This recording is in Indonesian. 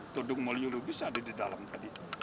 tudung mulyulu bisa ada di dalam tadi